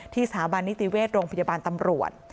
สถาบันนิติเวชโรงพยาบาลตำรวจ